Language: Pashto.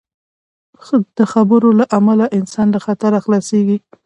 د خبرو له امله انسان له خطر خلاصېږي.